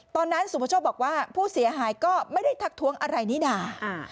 ตอนนั้นสุภาโชคบอกว่าผู้เสียหายก็ไม่ได้ทักทวงอะไรนี่ด่า